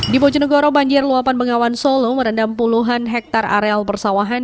di bojonegoro banjir luapan bengawan solo merendam puluhan hektare areal persawahan